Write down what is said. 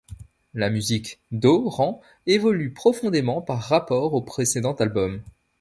La musique d'.O.rang évolue profondément par rapport au précédent album.